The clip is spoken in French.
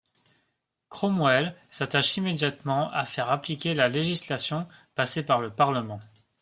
Cromwell s'attache immédiatement à faire appliquer la législation passée par le Parlement.